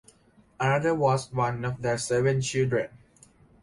Arthur was one of their seven children.